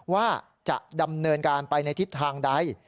ว่าจะดำเนินการไปในทิศทางใด